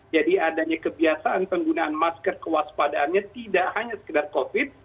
jadi adanya kebiasaan penggunaan masker kewaspadaannya tidak hanya sekedar covid sembilan belas